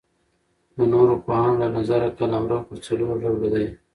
د نورو پوهانو له نظره قلمرو پر څلور ډوله دئ.